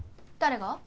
誰が？